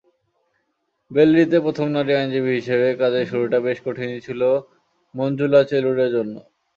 বেলরিতে প্রথম নারী আইনজীবী হিসেবে কাজের শুরুটা বেশ কঠিনই ছিল মঞ্জুলা চেলুরের জন্য।